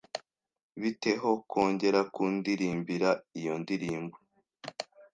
Bite ho kongera kundirimbira iyo ndirimbo?